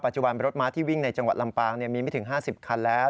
จุบันรถม้าที่วิ่งในจังหวัดลำปางมีไม่ถึง๕๐คันแล้ว